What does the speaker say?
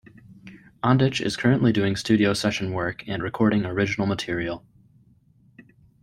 Ondich is currently doing studio session work and recording original material.